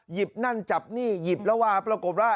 หยิบนั่นจับณี่หยิบละวาประกบล่ะ